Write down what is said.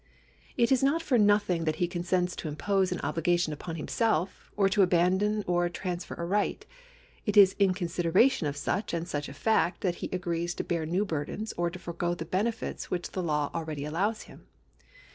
It is not for nothing that he consents to impose an obhgation upon himself, or to abandon or transfer a right. It is in consideration of such and such a fact that he agrees to bear new burdens or to forego the benefits which the law already allows him.